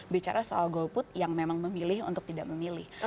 bicara soal golput yang memang memilih untuk tidak memilih